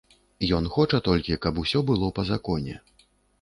Ён хоча толькі, каб усё было па законе.